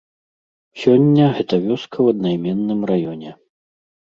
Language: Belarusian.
Сёння гэта вёска ў аднайменным раёне.